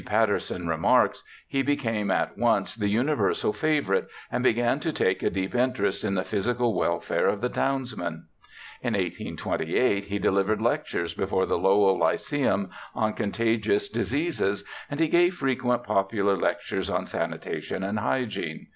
Patterson 114 BIOGRAPHICAL ESSAYS remarks, ' He became at once the universal favourite, and began to take a deep interest in tlie physical welfare of the townsmen.' In 1828 he delivered lectures before the Lowell Lyceum on contagious diseases, and he gave frequent popular lectures on sanitation and hygiene.